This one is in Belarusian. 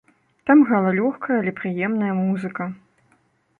Там грала лёгкая, але прыемная музыка.